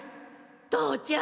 父ちゃん